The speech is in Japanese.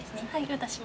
私も。